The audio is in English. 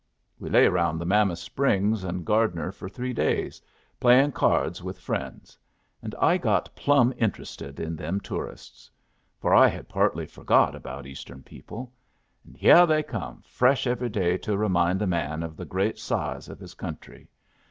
We lay around the Mammoth Springs and Gardner for three days, playin' cyards with friends. And I got plumb interested in them tourists. For I had partly forgot about Eastern people. And hyeh they came fresh every day to remind a man of the great size of his country.